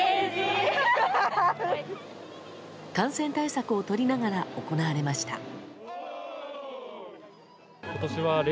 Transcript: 感染対策をとりながら行われました。